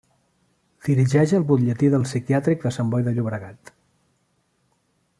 Dirigeix el Butlletí del psiquiàtric de Sant Boi de Llobregat.